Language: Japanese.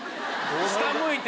下向いて。